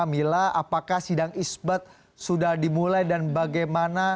mila apakah sidang isbat sudah dimulai dan bagaimana